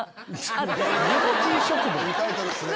いいタイトルっすね。